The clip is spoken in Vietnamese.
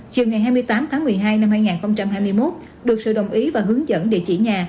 chiều ngày hai mươi tám tháng một mươi hai năm hai nghìn hai mươi một được sự đồng ý và hướng dẫn địa chỉ nhà